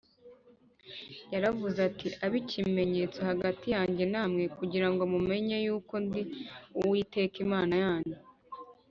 yaravuze iti, “abe ikimenyetso hagati yanjye na mwe, kugira ngo mumenye yuko ndi uwiteka imana yanyu”